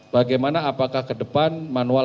bagaimana apakah kedepan manual